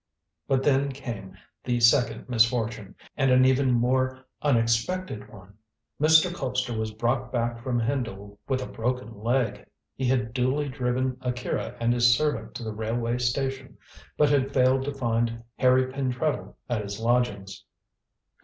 But then came the second misfortune, and an even more unexpected one. Mr. Colpster was brought back from Hendle with a broken leg. He had duly driven Akira and his servant to the railway station, but had failed to find Harry Pentreddle at his lodgings.